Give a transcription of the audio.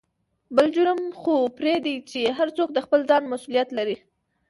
بل جرم خو فردي دى هر څوک دخپل ځان مسولېت لري.